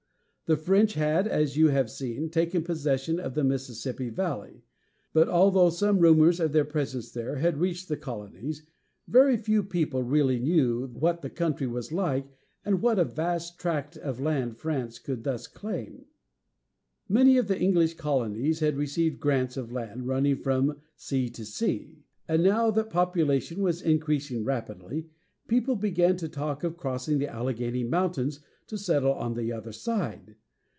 The French had, as you have seen, taken possession of the Mississippi valley; but although some rumors of their presence there had reached the colonies, very few people really knew what the country was like, and what a vast tract of land France could thus claim. Many of the English colonies had received grants of land running "from sea to sea," and now that population was increasing rapidly, people began to talk of crossing the Alleghany Mountains to settle on the other side.